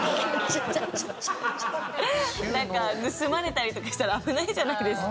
盗まれたりとかしたら危ないじゃないですか。